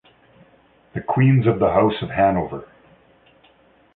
"The Queens of the House of Hanover".